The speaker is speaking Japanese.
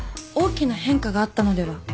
大きな変化があったのでは？